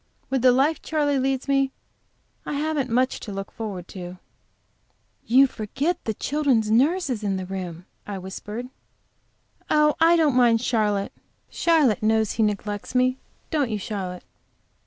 With the life Charley leads me, I haven't much to look forward to." "You forget that the children's nurse is in the room," I whispered. "Oh, I don't mind Charlotte. Charlotte knows he neglects me, don't you, Charlotte?"